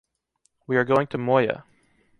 We are going to Moià.